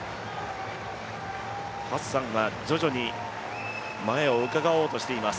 ハッサンが徐々に前をうかがおうとしています。